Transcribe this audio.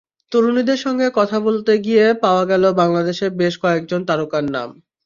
তরুণীদের সঙ্গে কথা বলতে গিয়ে পাওয়া গেল বাংলাদেশের বেশ কয়েকজন তারকার নাম।